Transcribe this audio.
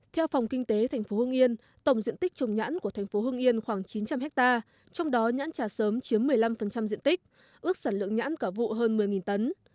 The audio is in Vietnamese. theo phòng kinh tế thành phố hương yên tổng diện tích trồng nhãn của thành phố hưng yên khoảng chín trăm linh hectare trong đó nhãn trà sớm chiếm một mươi năm diện tích ước sản lượng nhãn cả vụ hơn một mươi tấn